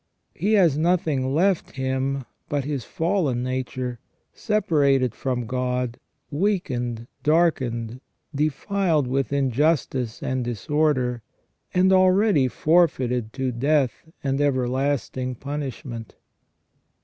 He has nothing left him but his fallen nature, separated from God, weakened, darkened, defiled with injustice and disorder, and already forfeited to death and everlasting punishment.